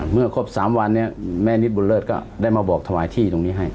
เมื่อครบ๓วันเนี่ยแม่นิดบุญเลิศก็ได้มาบอกถวายที่ตรงนี้ให้